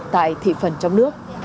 tại thị phần trong nước